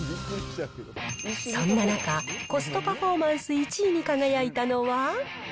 そんな中、コストパフォーマンス１位に輝いたのは。